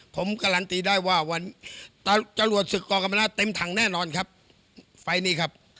ผมการันตีได้ว่าวันจรวดศึกกรกรรมนาศเต็มถังแน่นอนครับไฟล์นี้ครับ